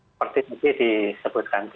seperti itu disebutkan